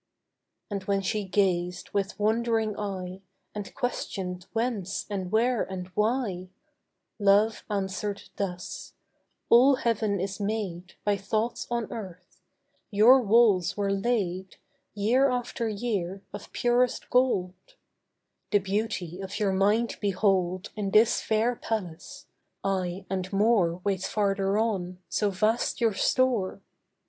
And when she gazed with wondering eye, And questioned whence and where and why, Love answered thus: 'All Heaven is made By thoughts on earth; your walls were laid, Year after year, of purest gold; The beauty of your mind behold In this fair palace; ay, and more Waits farther on, so vast your store.